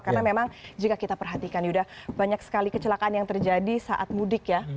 karena memang jika kita perhatikan sudah banyak sekali kecelakaan yang terjadi saat mudik ya